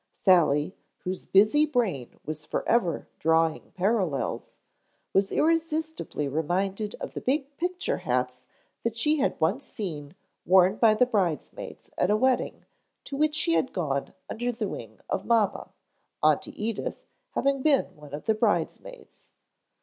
Sally, whose busy brain was forever drawing parallels, was irresistibly reminded of the big picture hats that she had once seen worn by the bridesmaids at a wedding to which she had gone under the wing of mamma, Auntie Edith having been one of the bridesmaids.